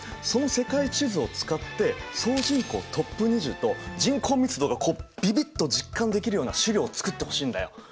その世界地図を使って総人口トップ２０と人口密度がこうビビッと実感できるような資料を作ってほしいんだよ。